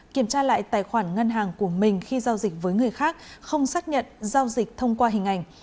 kiểm tra lại tài khoản ngân hàng của mình khi giao dịch với người khác không xác nhận giao dịch thông qua hình ảnh